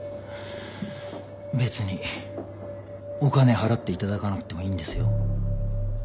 別にお金払っていただかなくてもいいんですよ？